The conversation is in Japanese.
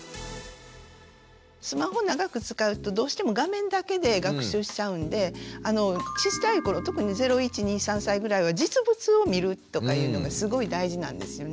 スマホを長く使うとどうしても画面だけで学習しちゃうんで小さい頃特に０１２３歳ぐらいは実物を見るとかいうのがすごい大事なんですよね。